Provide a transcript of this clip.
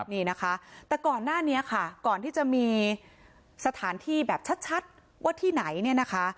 นี่นะคะแต่ก่อนหน้านี้ค่ะก่อนที่จะมีสถานที่แบบชัดว่าที่ไหนเนี่ยนะคะ